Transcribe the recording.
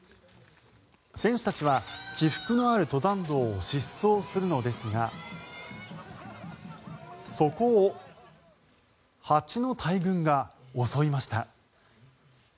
選手たちは起伏のある登山道を疾走するのですがそこを蜂の大群が襲いました。